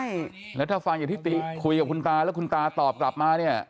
ในถึงถ้าฟังอยู่ที่ตีไปคุยกับคุณตาตอบกลับมาเนี่ย